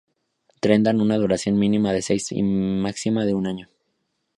Tendrán una duración mínima de seis meses y máxima de un año.